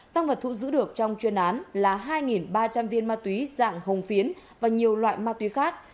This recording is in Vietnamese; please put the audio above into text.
tăng vật thu giữ được trong chuyên án là hai ba trăm linh viên ma túy dạng hồng phiến và nhiều loại ma túy khác